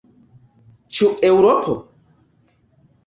Ĉu Eŭropo?